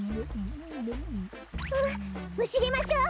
むしりましょう！